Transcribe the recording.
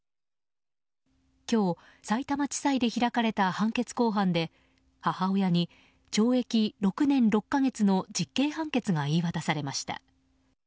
今日、さいたま地裁で開かれた判決公判で母親に懲役６年６か月の実刑判決が言い渡されました。